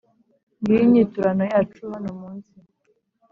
ngiyo inyiturano yacu hano mu nsi.»